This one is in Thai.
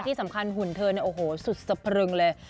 ที่สำคัญหุ่นเธอเนี่ยโอ้โหสุดสะพรึงเลย